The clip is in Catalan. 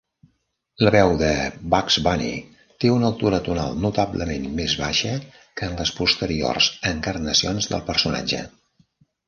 La veu de Bugs Bunny té una altura tonal notablement més baixa que en les posteriors encarnacions del personatge.